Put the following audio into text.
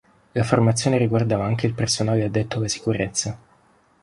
La formazione riguardava anche il personale addetto alla sicurezza.